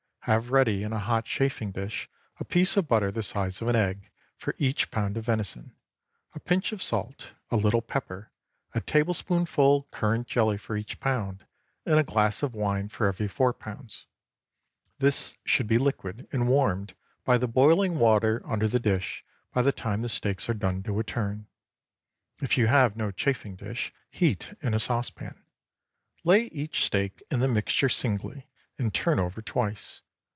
Have ready in a hot chafing dish a piece of butter the size of an egg for each pound of venison, a pinch of salt, a little pepper, a tablespoonful currant jelly for each pound, and a glass of wine for every four pounds. This should be liquid, and warmed by the boiling water under the dish by the time the steaks are done to a turn. If you have no chafing dish, heat in a saucepan. Lay each steak in the mixture singly, and turn over twice.